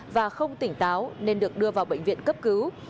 và không tỉnh táo nên được đưa vào bệnh viện cấp cứu